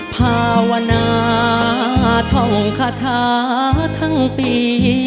ภาวนาท่องคาถาทั้งปี